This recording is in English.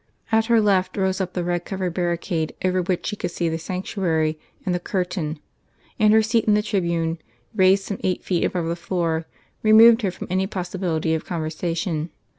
At her left rose up the red covered barricade over which she could see the sanctuary and the curtain; and her seat in the tribune, raised some eight feet above the floor, removed her from any possibility of conversation.